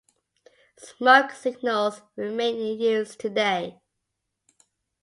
Smoke signals remain in use today.